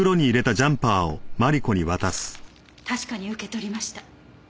確かに受け取りました。